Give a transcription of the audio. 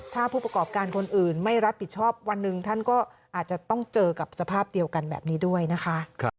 ถ้าผู้ประกอบการคนอื่นไม่รับผิดชอบวันหนึ่งท่านก็อาจจะต้องเจอกับสภาพเดียวกันแบบนี้ด้วยนะคะ